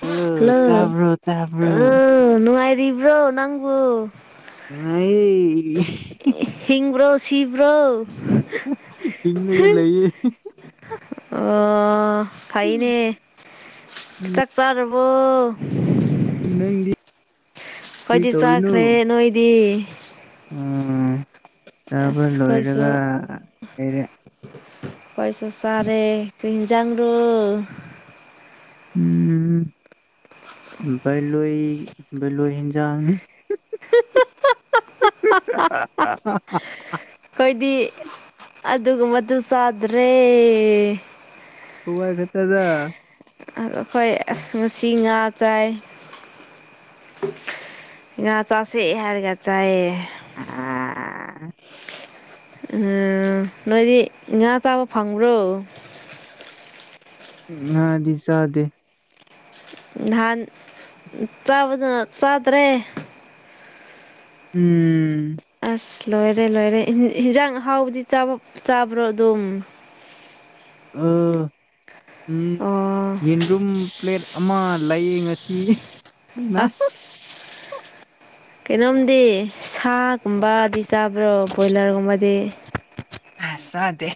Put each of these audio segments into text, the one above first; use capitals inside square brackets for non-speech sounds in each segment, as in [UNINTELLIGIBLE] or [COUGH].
ꯇꯥꯕ꯭ꯔꯣ ꯍꯜꯂꯣ ꯇꯥꯕ꯭ꯔꯣ ꯑ ꯇꯥꯕ꯭ꯔꯣ ꯅꯨꯡꯉꯥꯏꯔꯤꯕꯔꯤꯕ꯭ꯔꯣ ꯅꯪꯨ ꯅ ꯍꯤꯡꯕ꯭ꯔꯣ ꯁꯤꯕ꯭ꯔꯣ ꯏꯉꯒ ꯂꯩꯦ ꯑꯣ ꯐꯥꯏꯅꯦ ꯆꯥꯛ ꯆ ꯑꯣ ꯅꯗꯤ ꯑꯩꯣꯏꯗꯤ ꯆꯥꯈ꯭ꯔꯦ ꯅꯣꯏꯗꯤ ꯎꯝ ꯆꯕ ꯑꯁ ꯑꯩꯈꯣꯏꯁꯨ ꯂꯣꯏꯔꯒ ꯑꯦꯔ ꯑꯩꯈꯣꯏ ꯁꯁꯥꯦ ꯀꯩꯖꯥꯡ ꯔꯨꯜ ꯎꯝꯝ ꯕꯩꯂꯣꯏ ꯚꯩꯂꯣꯏ ꯑꯦꯟꯖꯥꯡꯅꯤ [INAUDIBLE] ꯑꯩꯈꯣꯏꯗꯤ ꯑꯗꯨꯒꯕꯗꯨ ꯆꯥꯗ꯭ꯔꯦ ꯍ ꯋꯥ ꯈꯠꯇꯗ ꯑ ꯑꯩꯈꯣꯏ ꯑ ꯉꯁꯤ ꯉꯥ ꯆꯥꯏ ꯉ ꯆꯥꯁꯦ ꯑꯦꯍꯔꯒ ꯆꯥꯏꯦ ꯑ ꯎꯝ ꯅꯣꯏꯗꯤ ꯉꯥ ꯆꯥꯕ ꯐꯪꯕ꯭ꯔꯣ ꯉꯗꯤ ꯆꯗꯦ ꯅꯍꯥꯟꯥꯕ ꯆꯥꯗ꯭ꯔꯦ ꯎꯝ ꯑꯁ ꯂꯣꯏꯔꯦ ꯂꯣꯏꯔꯦ ꯌꯦꯟꯖꯥꯡ ꯑꯍꯥꯎꯕꯗꯤ ꯆꯥꯕ꯭ꯔꯣ ꯑꯗꯨꯝ ꯑ ꯎꯝ ꯑꯣ ꯌꯦꯟꯔꯨꯝ ꯄ꯭ꯂꯦꯠ ꯑꯃ ꯂꯥꯏꯌꯦꯡ ꯁꯤ ꯑꯁ ꯀꯩꯅꯣꯝꯗꯤ ꯁꯥꯛ ꯕꯥꯗꯤ ꯆꯥꯕ꯭ꯔꯣ ꯕꯣꯣꯏꯂꯔꯒ ꯃꯗꯤꯦ ꯑꯁꯗꯦ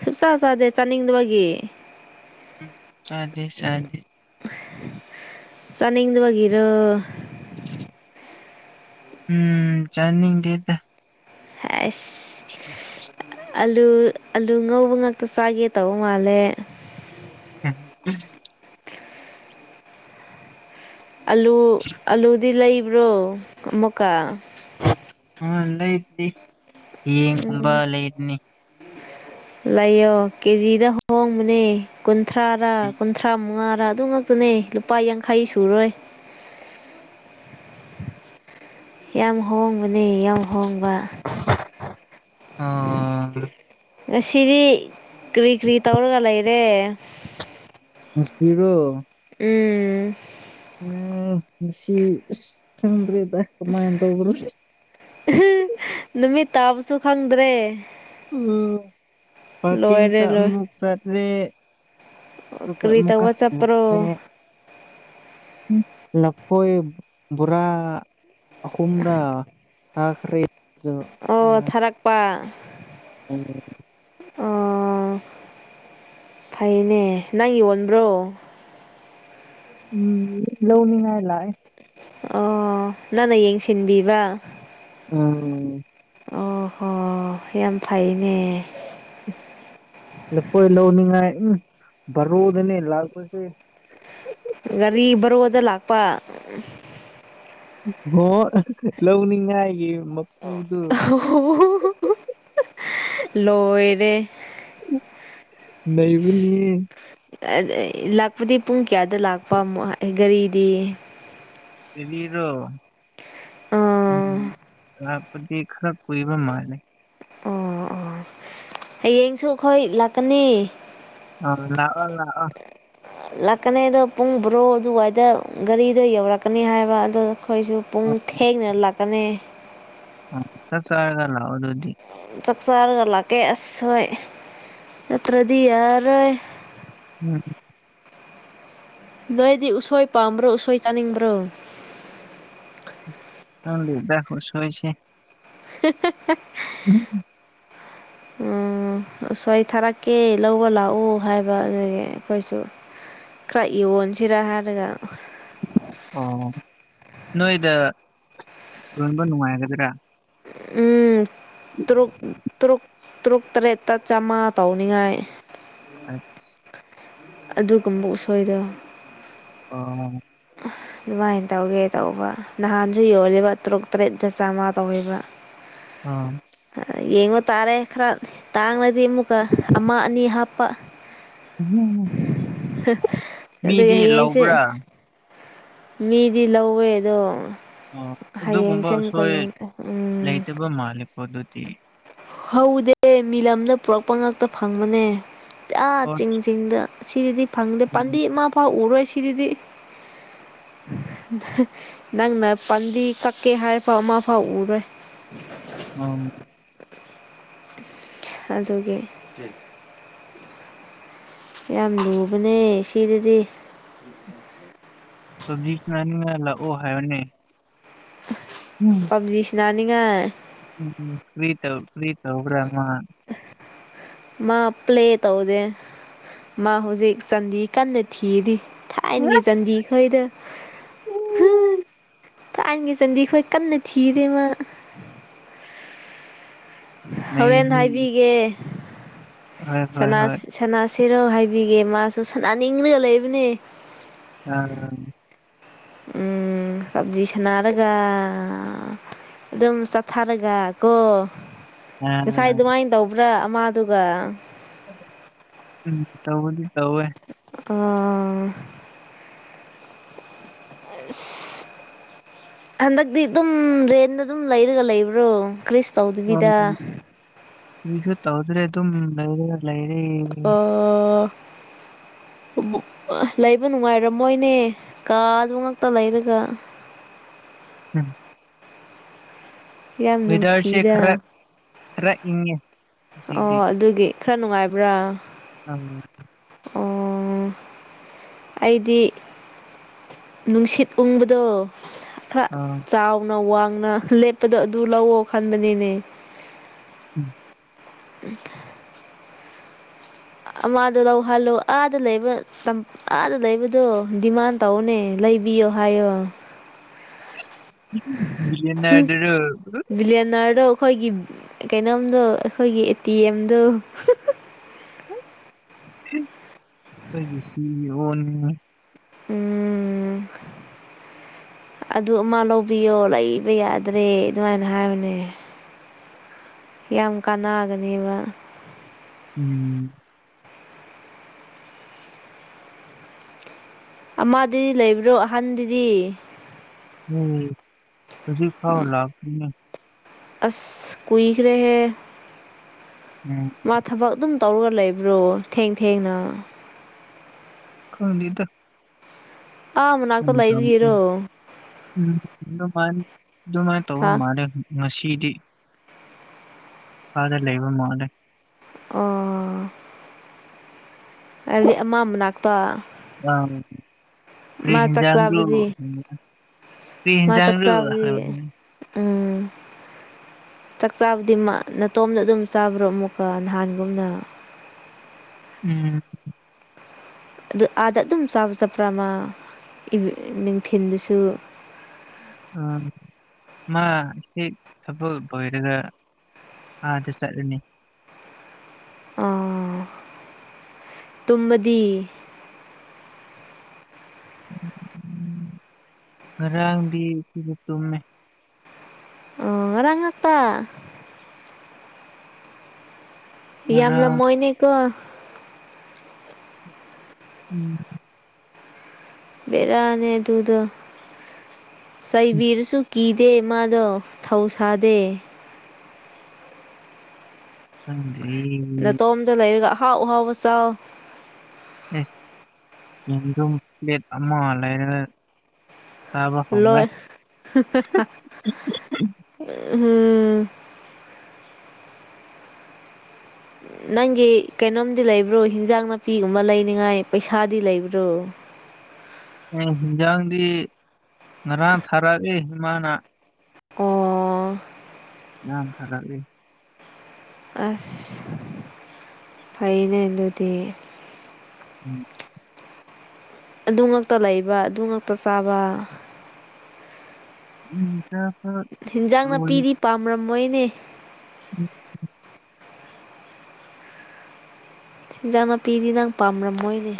ꯁꯨꯡꯆꯥꯥ ꯆꯥꯗꯦ ꯆꯥꯅꯤꯡꯗꯕꯒꯤ ꯎ ꯆꯗꯦ ꯆꯅꯦꯦ ꯆꯅꯤꯡꯗ ꯋꯥꯒꯦꯔ [UNINTELLIGIBLE] ꯎꯝ ꯆꯔꯅꯤꯡ ꯗꯦꯗ ꯍꯥꯏꯁ [UNINTELLIGIBLE] ꯑꯂꯨ ꯑꯂꯨ ꯉꯧꯕ ꯉꯥꯛꯇ ꯆꯥꯒꯦ ꯇꯧꯕ ꯃꯥꯜꯂꯦ ꯎꯝ ꯑꯂꯨ ꯑꯂꯨꯗꯤ ꯂꯩꯕ꯭ꯔꯣ ꯑꯃꯨꯀꯥ ꯎꯝ ꯂꯩꯗꯅꯤ ꯌꯦꯌꯦꯡꯒꯨꯝꯕ ꯂꯩꯗꯅꯤ ꯂꯩꯌꯣ ꯀꯦꯖꯤꯗ ꯍꯍꯣꯡꯕꯅꯦ ꯀꯨꯟꯊ꯭ꯔꯥꯔꯥ ꯀꯨꯟꯊ꯭ꯔꯥ ꯃꯉꯥ ꯈꯔꯥ ꯑꯗꯨ ꯉꯛꯇꯅꯦ ꯂꯨꯄꯥ ꯌꯥꯡꯈꯩ ꯁꯨꯔꯣꯏ ꯌꯥꯝ ꯍꯣꯡꯉꯦ ꯑꯗꯨꯗꯤ ꯌꯥꯝ ꯍꯣꯡꯕ ꯑꯥ ꯉꯁꯤꯗꯤ ꯀꯔꯤ ꯀꯔꯤ ꯇꯧꯔꯒ ꯂꯩꯔꯦ ꯃꯨꯁꯇꯤꯔꯣ [UNINTELLIGIBLE] ꯑ ꯉꯁꯤ ꯈꯪꯗꯔꯦ ꯀꯃꯥꯏꯅ ꯇꯧꯕ꯭ꯔꯣ ꯅꯨꯃꯤꯠ ꯇꯥꯕꯁꯨ ꯈꯪꯗ꯭ꯔꯦ ꯎꯝ ꯂꯣꯏꯔꯦ ꯄꯥꯀꯤꯡꯇ ꯂꯣꯏ ꯑꯃꯨꯛ ꯆꯠꯂꯦ ꯀꯔꯤ ꯑꯃꯨꯛꯀꯥ ꯇꯧꯕ ꯆꯠꯄ꯭ꯔꯣ ꯃꯨꯀꯥꯂꯦ ꯂꯐꯣꯏ ꯕꯣꯔꯥ ꯑꯍꯨꯝꯗꯥ ꯑꯈꯔꯤ ꯑꯣ ꯊꯥꯔꯛꯄ ꯎꯝ ꯑꯣ ꯐꯩꯅꯦ ꯅꯪ ꯌꯣꯟꯕ꯭ꯔꯣ ꯎꯝ ꯂꯧꯕꯅꯤꯡꯉꯥꯏ ꯂꯑ ꯑꯣ ꯅꯪꯅ ꯌꯦꯡꯁꯤꯟꯕꯤꯕ ꯑꯝ ꯑꯣ ꯍꯣ ꯌꯥꯝ ꯐꯩꯅꯦ ꯂꯐꯣꯏ ꯂꯧꯅꯤꯡꯉꯥꯏ ꯎꯝ ꯔꯗꯅꯤꯅꯦ ꯂꯥꯜꯄꯥꯁꯦ ꯒꯥꯔꯤ ꯕꯔꯣꯗ ꯂꯥꯛꯄ ꯍꯣꯏ ꯂꯧꯅꯤꯉꯏꯒꯤ ꯂꯣꯏꯔꯦ ꯅꯕꯨꯅꯤꯍꯦ ꯂꯥꯛꯄꯗꯤ ꯄꯨꯡ ꯀꯌꯥꯗ ꯂꯥꯛꯄ ꯒꯥꯔꯤꯗꯤ ꯒꯔꯤꯔꯣ ꯑꯥ ꯂꯛꯄꯗꯤ ꯈꯔꯥ ꯀꯨꯏꯕ ꯃꯥꯜꯂꯦ ꯍꯌꯦꯡꯁꯨꯈꯣꯏ ꯂꯥꯛꯀꯅꯤ ꯑ ꯂꯥꯛꯑꯣ ꯂꯥꯛꯑꯣ ꯂꯥꯛꯀꯅꯤ ꯑꯗꯣ ꯄꯨꯡ ꯕꯣꯔꯣ ꯑꯗꯨꯋꯥꯏꯗ ꯒꯥꯔꯤꯗꯣ ꯌꯧꯔꯛꯀꯅꯤ ꯍꯥꯏꯕ ꯑꯗꯣ ꯑꯩꯈꯣꯏꯁꯨ ꯄꯨꯡ ꯑ ꯊꯦꯡꯅ ꯂꯥꯛꯀꯅꯤ ꯑ ꯆꯥꯛ ꯆꯔꯒꯥ ꯂꯥꯛ ꯑꯣ ꯑꯗꯨꯗꯤ ꯆꯥꯛ ꯆꯥꯔꯒ ꯂꯥꯛꯀꯦ ꯑꯁ ꯍꯣꯏ ꯅꯠꯇ꯭ꯔꯗꯤ ꯌꯥꯔꯣꯏ ꯎꯝ ꯅꯣꯏꯗꯤ ꯎꯁꯣꯏ ꯄꯥꯝꯕ꯭ꯔꯣ ꯎꯁꯣꯏ ꯆꯥꯅꯤꯡꯕ꯭ꯔꯣ ꯍꯪ ꯗꯦꯗꯥ ꯈꯨꯁꯣꯏꯁꯤ [UNINTELLIGIBLE] ꯎꯝ ꯎꯝ ꯎꯝ ꯑꯁꯣꯏ ꯊꯥꯔꯛꯀꯦ ꯂꯧꯕ ꯂꯥꯛꯎ ꯍꯥꯏꯕ ꯑꯗꯨꯒꯤ ꯑꯩꯈꯣꯏꯁꯨ ꯀ꯭ꯔ ꯌꯣꯅꯁꯤꯔ ꯍꯥꯏꯔꯒ ꯑꯣ ꯅꯣꯏꯗ ꯂꯣꯟꯕ ꯅꯨꯡꯉꯥꯏꯒꯗ꯭ꯔꯥ ꯎꯝ ꯇꯔꯨꯛ ꯇ꯭ꯔꯨꯛ ꯇꯔꯨꯛ ꯇꯔꯦꯠꯇ ꯆꯥꯝꯃꯉꯥ ꯇꯧꯅꯤꯉꯥꯏ ꯑꯠ ꯑꯗꯨꯒꯨꯝꯕ ꯎꯁꯣꯏꯗ ꯑ ꯑꯗꯨꯃꯥꯏꯅ ꯇꯧꯒꯦ ꯇꯧꯕ ꯅꯍꯥꯟꯁꯨ ꯌꯣꯜꯂꯤꯕ ꯇꯔꯨꯛ ꯇꯔꯦꯠꯇ ꯆꯥꯝꯃꯉꯥ ꯇꯧꯕ ꯑꯥ ꯌꯦꯡꯉꯨ ꯇꯥꯔꯦ ꯈꯔ ꯇꯥꯡꯅꯗꯤ ꯑꯃꯨꯛꯀ ꯑꯃ ꯑꯅꯤ ꯍꯥꯞꯄ ꯎꯝ ꯃꯤꯗꯤ ꯑꯗꯌꯦꯏꯁꯦ ꯂꯧꯕ꯭ꯔꯥ ꯃꯤꯗꯤ ꯂꯧꯋꯦ ꯑꯗꯣ ꯑꯣ ꯍꯌꯦꯡꯁꯦ ꯑꯃꯨꯛꯀ ꯑꯗꯨꯒꯨꯝꯕꯁꯣꯏ ꯌꯦꯡ ꯎꯝ ꯂꯩꯇꯕ ꯃꯥꯜꯂꯦꯀꯣ ꯑꯗꯨꯗꯤ ꯍꯧꯗꯦ ꯃꯤꯂꯝꯗ ꯄꯨꯔꯛꯄ ꯉꯇ ꯐꯪꯕꯅꯦ ꯆꯥ ꯑꯣ ꯆꯤꯡ ꯆꯤꯡꯗ ꯁꯤꯗꯤ ꯐꯪꯗꯦ ꯄꯥꯟꯗꯤ ꯏꯃꯥ ꯐꯥꯎ ꯎꯔꯣꯏ ꯁꯤꯗꯗꯤ [UNINTELLIGIBLE] [INAUDIBLE] ꯅꯪꯅ ꯄꯟꯗꯤ ꯀꯛꯀꯦ ꯍꯥꯏꯐꯥꯎ ꯑꯃꯐꯥꯎ ꯎꯔꯣꯏ ꯑ ꯑꯗꯨꯒꯤ ꯌꯥꯝ ꯂꯨꯕꯅꯦ ꯁꯤꯗꯗꯤ ꯁꯖꯤ ꯆꯃꯅꯤ ꯑꯣ ꯍꯥꯏꯅꯦ ꯄꯕꯖꯤ ꯁꯅꯥꯅꯤꯡ ꯍꯥꯏ ꯎꯝ ꯀꯔꯤꯇꯧ ꯀ꯭ꯔꯤꯇꯧꯕ꯭ꯔꯃꯥꯟ ꯃꯥ ꯄ꯭ꯂꯦ ꯇꯧꯁꯦ ꯃꯥ ꯍꯧꯖꯤꯛ ꯆꯥꯟꯗꯤ ꯀꯟꯅ ꯊꯤꯔꯤ ꯊꯥꯏꯅꯒꯤ ꯆꯟꯗꯤꯈꯩꯗ ꯥꯏꯟꯒꯤ ꯆꯟꯗꯤ ꯑꯩꯈꯣꯏ ꯀꯟꯅ ꯊꯤꯔꯦꯃ ꯍꯣꯔꯦꯟ ꯅꯩꯍꯦ ꯍꯥꯏꯕꯤꯒꯦ ꯍꯣꯏ ꯍꯣꯏ ꯍꯣꯏ ꯁꯅꯥꯁꯤꯔꯣ ꯍꯥꯏꯕꯤꯒꯦ ꯃꯥꯁꯨ ꯁꯅꯥꯅꯤꯡꯂꯒ ꯂꯩꯕꯅꯦ ꯑꯥ ꯁꯞꯖꯤ ꯁꯥꯟꯅꯥꯔꯒ ꯑꯗꯨ ꯑꯗꯨꯝ ꯁꯥꯊꯥꯔꯒꯀꯣ ꯉꯁꯥꯏ ꯑꯥ ꯑꯗꯨꯃꯥꯏꯅ ꯇꯧꯕ꯭ꯔꯥ ꯑꯃꯥꯗꯨꯒ ꯎꯝ ꯇꯧ ꯅ ꯇꯧꯦ ꯑꯥ ꯑ ꯍꯟꯗꯛꯇꯤ ꯑꯗꯨꯝ ꯔꯦꯗ ꯑꯗꯨꯝ ꯂꯩꯔꯒ ꯂꯩꯕ꯭ꯔꯣ ꯀ꯭ꯔꯤ ꯇꯧꯗꯕꯤꯗ ꯏꯁꯨ ꯇꯧꯗ꯭ꯔꯦ ꯑꯗꯨꯝ ꯂ ꯂꯩ ꯑꯣ [UNINTELLIGIBLE] [INAUDIBLE] ꯂꯩꯕ ꯅꯨꯡꯉꯥꯏꯔꯝꯃꯣꯏꯅꯦ ꯀꯥꯗꯨ ꯉꯛꯇ ꯂꯩꯔꯒ ꯎꯝ ꯌꯥꯝ ꯗꯥꯔꯁꯦ ꯅꯨꯡꯁꯤꯗ ꯈꯔ ꯈꯔ ꯏꯦ ꯑꯣ ꯑꯗꯨꯒꯤ ꯈꯔ ꯅꯨꯡꯉꯥꯏꯕ꯭ꯔꯥ ꯑꯝ ꯑꯣ ꯑꯩꯗꯤ ꯅꯨꯡꯁꯤꯠ ꯎꯡꯕꯗꯣ ꯈꯔ ꯑꯥ ꯆꯥꯎꯅ ꯋꯥ ꯅꯅ ꯂꯦꯞꯄꯗꯣ ꯑꯗꯨ ꯂꯧꯑꯣꯣ ꯈꯟꯕꯅꯤꯅꯦ ꯎꯝ ꯃꯥꯥꯗꯣ ꯂꯧ ꯍꯜꯂꯨ ꯑꯥꯗ ꯂꯩꯕ ꯑꯥꯗ ꯂꯩꯕꯗꯣ ꯗꯤꯃꯥꯟ ꯇꯧꯅꯦ ꯂꯩꯕꯤꯌꯣ ꯍꯥꯏꯌꯣ ꯗꯔ ꯕꯤꯂꯤꯌꯅꯔꯗꯣ ꯑꯩꯈꯣꯏꯒꯤ ꯀꯩꯅꯣꯝꯗꯣ ꯑꯩꯈꯣꯏꯒꯤ ꯑꯦ ꯇꯤ ꯑꯦꯝꯗꯣ ꯀꯁꯤ ꯑꯣꯅꯤ [INAUDIBLE] ꯎꯝ ꯑꯗꯨ ꯑꯃ ꯂꯧꯕꯤꯌꯣ ꯂꯩꯕ ꯌꯥꯗ꯭ꯔꯦ ꯑꯗꯨꯃꯥꯏꯅ ꯍꯥꯏꯕꯅꯦ ꯌꯥꯝ ꯀꯥꯅꯒꯅꯦꯕ ꯎꯝ ꯑꯃꯗꯗꯤ ꯂꯩꯕ꯭ꯔꯣ ꯑꯍꯟꯗꯨꯗꯤ ꯎꯝ ꯍꯧꯖꯤ ꯈ ꯂꯥꯛꯥꯛ ꯑꯁ ꯀꯨꯏꯈ ꯔꯦꯍꯦ ꯎꯝ ꯃꯥ ꯊꯕ ꯑꯗꯨꯝ ꯇꯧꯔꯒ ꯂꯩꯕ꯭ꯔꯣ ꯊꯦꯡ ꯊꯦꯡꯅ ꯈꯗ ꯑꯥ ꯃꯅꯥꯛꯇ ꯂꯩꯕꯒꯤꯔꯣ ꯎꯝ ꯑꯗꯨꯃꯥꯏꯅ ꯇꯧꯕ ꯍꯥ ꯃꯥꯜꯂꯦ ꯉꯁꯤꯗꯤ ꯐꯗ ꯂꯩꯕ ꯃꯥꯅꯦꯦ ꯑꯣ ꯍꯥꯏꯕꯗꯤ ꯑꯃꯥꯡ ꯃꯅꯥꯛꯇ ꯑ ꯃꯥ ꯆꯥꯛ ꯀꯔꯤꯍꯤꯖ ꯆꯥꯕꯗꯤ ꯃꯥ ꯆꯥꯛ ꯄꯍꯤꯖꯥꯡꯔꯨ ꯆꯥꯕꯗꯤ [INAUDIBLE] ꯆꯥꯛ ꯆꯥꯕꯗꯤ ꯅꯥꯇꯣꯝꯗ ꯑꯗꯨꯝ ꯆꯥꯕ꯭ꯔꯣ ꯑꯃꯨꯛꯀ ꯅꯍꯥꯟꯒꯨꯝꯅ ꯎꯝ ꯑꯗꯨ ꯑꯥꯗ ꯑꯗꯨꯝ ꯆꯥꯕ ꯆꯠꯄ꯭ꯔꯥ ꯑꯃ ꯊꯤꯜꯗꯁꯨ ꯎ ꯃꯥ ꯁꯤ ꯊꯕꯜ ꯄꯣꯏꯔꯒ ꯑꯥꯗꯤ ꯆꯠꯅꯤ ꯑ ꯇꯨꯝꯗꯤ ꯎꯝ ꯉꯔꯥꯡꯗꯤ ꯁꯤꯗꯤ ꯇꯨꯝꯃꯦ ꯑꯣ ꯔꯪ ꯍꯥꯇꯥ ꯌꯥꯝ ꯌꯥꯝꯂ ꯉꯔꯥꯡ ꯃꯣꯏꯅꯤ ꯀꯣ ꯎꯝ ꯦꯗꯥꯅꯦ ꯊꯨꯗ ꯁꯥꯏꯕꯤꯔꯁꯨ ꯀꯤꯗꯦ ꯃꯥꯗꯣ ꯊꯧꯁꯗꯦ ꯎꯝ ꯇꯣꯝꯗ ꯂꯩꯔꯒ ꯑꯍꯥꯎ ꯑꯍꯥꯎꯕ ꯆ ꯑꯦꯁ ꯆꯦꯟꯗꯨꯨꯝ ꯄ꯭ꯂꯦꯠ ꯑꯃ ꯂꯩꯔ ꯂꯣꯏ ꯎꯝ ꯅꯪꯒꯤ ꯀꯩꯅꯣꯝꯗꯤ ꯂꯩꯕ꯭ꯔꯣ ꯍꯤꯟꯖꯥꯡ ꯅꯥꯄꯤꯒꯨꯝꯕ ꯂꯩꯅꯤꯉꯥꯏ ꯄꯩꯁꯥꯗꯤ ꯂꯩꯕ꯭ꯔꯣ ꯍꯤꯟꯖꯥꯡꯗꯤ ꯉꯔꯥꯡ ꯊꯥꯔꯛꯑꯦ ꯏꯃꯥꯅ ꯑꯣ ꯌꯥꯝ ꯈꯔꯒ ꯑꯁ ꯐꯅꯦ ꯑꯗꯨꯗꯤ ꯎꯝ ꯑꯗꯨ ꯉꯛꯇ ꯂꯩꯕ ꯑꯗꯨ ꯉꯛꯇ ꯆꯥꯕ ꯎꯝꯀ ꯍꯤꯟꯖꯥꯡ ꯅꯥꯄꯤꯗꯤ ꯄꯥꯝꯔꯝꯃꯣꯏꯅꯦ ꯎꯝ ꯆꯤꯟꯖꯥꯛ ꯅꯥꯄꯤꯗꯤ ꯅꯪ ꯄꯥꯝꯔꯝ ꯃꯣꯏꯅꯦ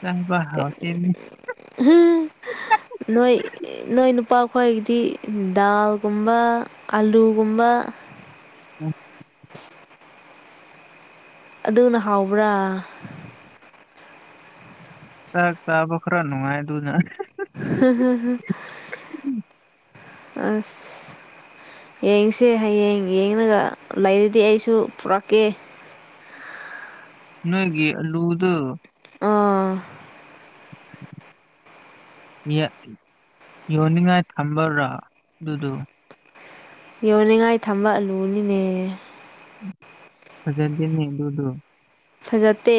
ꯆꯥꯕ ꯍꯥꯎꯇꯦꯅꯦ ꯅꯣꯏ ꯅꯣꯏ ꯅꯨꯄꯥ ꯑꯩꯈꯣꯏꯒꯤꯗꯤ ꯗꯥꯜꯒꯨꯝꯕ ꯑꯜꯂꯨꯒꯨꯝꯕ ꯎ [UNINTELLIGIBLE] [INAUDIBLE] ꯑꯗꯨꯅ ꯍꯥꯎꯕ꯭ꯔꯥ ꯇ ꯇꯕꯈꯔꯥꯅꯅꯨꯡ ꯍꯥꯏꯥꯏ ꯇꯨꯖ ꯑꯁ [UNINTELLIGIBLE] [INAUDIBLE] ꯌꯦꯡꯁꯦ ꯍꯌꯦꯡ ꯌꯦꯡꯉꯒ ꯂꯩꯔꯗꯤ ꯑꯩꯁꯨ ꯄꯨꯔꯛꯀꯦ ꯅꯒꯤꯦ ꯑ ꯂ ꯎꯗ ꯑꯥ [UNINTELLIGIBLE] [INAUDIBLE] ꯌꯣꯟꯅꯤꯡꯉꯥꯏ ꯊꯝꯕꯔꯥ ꯑꯗꯨꯗꯨ ꯌꯣꯟꯅꯤꯡꯉꯥꯏ ꯊꯝꯕ ꯑꯜꯂꯨꯅꯤꯅꯦ ꯐꯖꯔꯒꯤꯅꯤ ꯑꯗꯨꯣꯗꯣ ꯐꯖꯠꯇꯦ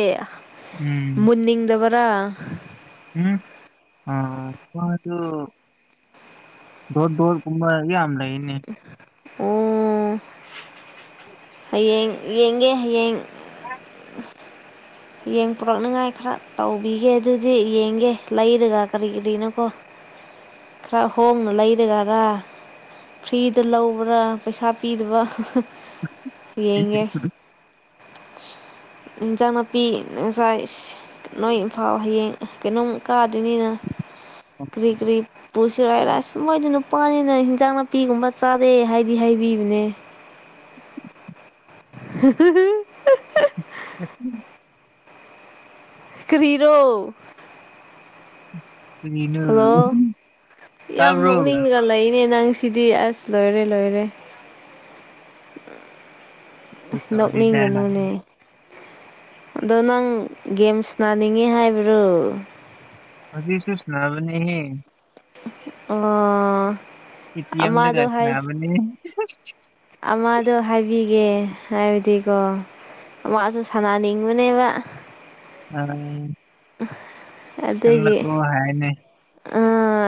ꯃꯨꯟꯅꯤꯡꯗꯕꯔꯥ ꯎꯝ ꯑ ꯃꯥꯁꯨ ꯗꯣꯠ ꯗꯣ ꯀ ꯌꯥ ꯑꯃ ꯂꯩꯅꯤ ꯎꯝ ꯍꯌꯦꯡ ꯌꯦꯡꯒꯦ ꯍꯌꯦꯡ ꯑ [UNINTELLIGIBLE] [INAUDIBLE] ꯌꯦꯡ ꯄꯨꯣꯔꯛꯅꯤꯉꯥꯏ ꯈꯔ ꯇꯧꯕꯤꯒꯦ ꯑꯗꯨꯗꯤ ꯌꯦꯡꯒꯦ ꯂꯩꯔꯒ ꯀꯔꯤ ꯀꯔꯤꯅꯣꯀꯣ ꯈꯔ ꯍꯣꯡꯅ ꯂꯩꯔꯒꯔꯥ ꯐ꯭ꯔꯤꯗ ꯂꯧꯕ꯭ꯔꯥ ꯄꯩꯁꯥ ꯄꯤꯗꯕ ꯌꯦꯉ ꯏꯟꯁꯥꯡ ꯅꯥꯄꯤ ꯉꯁꯥꯏ ꯅꯣꯏ ꯏꯝꯐꯥꯜ ꯍꯌꯦꯡ ꯀꯩꯅꯣ ꯀꯥ ꯅꯤꯅ ꯀꯔꯤ ꯀꯔꯤ ꯄꯨ ꯆꯨꯔꯥꯏ ꯔꯥꯏꯁ ꯃꯣꯏꯗꯤ ꯅꯨꯄꯥꯅꯤꯅ ꯍꯤꯟꯖꯥꯡ ꯅꯥꯄꯤꯒꯨꯝꯕ ꯆꯥꯗꯦ ꯍꯥꯏꯗꯤ ꯍꯥꯏꯕꯤꯕꯅꯦ [UNINTELLIGIBLE] [INAUDIBLE] [UNINTELLIGIBLE] [INAUDIBLE] [UNINTELLIGIBLE] [INAUDIBLE] ꯀꯤꯔꯣ ꯀꯔꯤꯅꯣ ꯍꯜꯂꯣ ꯌꯥꯝ ꯇꯥꯕ꯭ꯔꯣ ꯑꯗꯨ ꯅꯣꯛꯅꯤꯡꯅꯒ ꯂꯩꯏꯅꯦ ꯅꯪ ꯁꯤꯗꯤ ꯑꯁ ꯂꯣꯏꯔꯦ ꯂꯣꯏꯔꯦ ꯇꯧꯗꯦꯗ ꯅꯣꯛꯅꯤꯡꯒꯅꯨꯅꯦ ꯑꯗꯣ ꯅꯪ ꯒꯦꯝꯁ ꯅꯥꯅꯤꯡꯉꯤ ꯍꯥꯏꯕ꯭ꯔꯣ ꯑꯗꯨꯗꯤꯁꯨ ꯁꯅꯥꯕꯅꯤꯍ ꯑꯥ [UNINTELLIGIBLE] [INAUDIBLE] ꯑꯦ ꯇꯤꯑꯝ ꯀꯁꯅꯅꯤ ꯒꯦ ꯍꯥꯏꯕꯗꯤꯀꯣ ꯃꯥꯁꯨ ꯁꯥꯟꯅꯅꯤꯡꯕꯅꯦꯕ ꯎꯝ ꯑ [UNINTELLIGIBLE] [INAUDIBLE] ꯅ ꯑꯣ ꯍꯥꯏꯅꯦ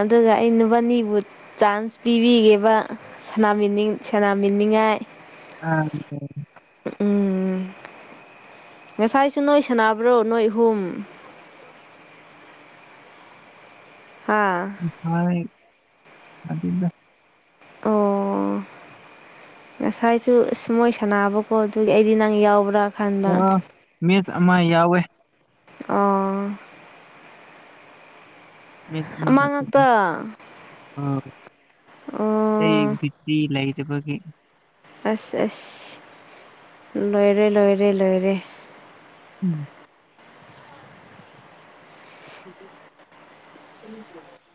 ꯑꯗꯨꯒ ꯑꯩ ꯅꯨꯄꯥꯅꯤꯕꯨ ꯆꯥꯟꯁ ꯄꯤꯕꯤꯒꯦꯕ ꯁꯅꯥꯃꯤꯅꯤꯡꯉꯥꯏ ꯇꯏ ꯑ [UNINTELLIGIBLE] [INAUDIBLE] ꯎꯝ ꯉꯁꯥꯏꯁꯨ ꯅꯣꯏ ꯁꯥꯟꯅꯕ꯭ꯔꯣ ꯅꯣꯏ ꯑꯍꯨꯝ ꯍꯥ ꯏ ꯁꯔꯦꯗꯗ ꯑꯣ ꯉꯁꯥꯏꯁꯨ ꯑꯁ ꯃꯣꯏ ꯁꯥꯟꯅꯥꯅꯕꯀꯣ ꯑꯗꯨꯒꯤ ꯑꯩꯗꯤ ꯅꯪ ꯌꯥꯎꯕ꯭ꯔꯥ ꯈꯟꯕ ꯑꯣ ꯃꯤꯁ ꯑꯃ ꯌꯥꯎꯋꯦ ꯑꯥ ꯃꯦꯁ ꯑꯃ ꯈꯠꯇ ꯑꯩ ꯑꯣ ꯕꯤ ꯄꯤ ꯂꯩꯕꯒꯤ ꯑꯁ ꯑꯁ ꯂꯣꯏꯔꯦ ꯂꯣꯏꯔꯦ ꯂꯣꯏꯔꯦ ꯎꯝ [INAUDIBLE]